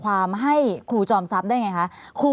ภารกิจสรรค์ภารกิจสรรค์